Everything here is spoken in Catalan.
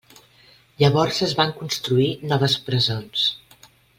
Llavors es van construir noves presons.